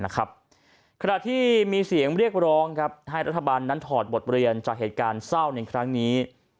ขณะที่มีเสียงเรียกร้องให้รัฐบาลนั้นถอดบทเรียนจากเหตุการณ์เศร้าในครั้งนี้